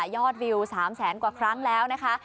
วิว๓แสนกว่าครั้งแล้วนะคะ